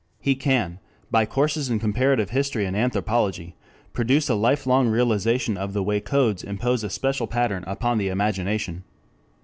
He can, by courses in comparative history and anthropology, produce a life long realization of the way codes impose a special pattern upon the imagination.